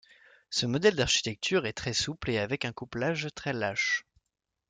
Ce modèle d'architecture est très souple et avec un couplage très lâche.